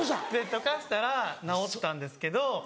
溶かしたら治ったんですけど。